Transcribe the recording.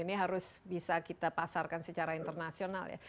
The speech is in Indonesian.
jadi harus bisa kita pasarkan secara internasional ya